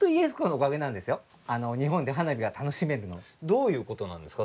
どういうことなんですか？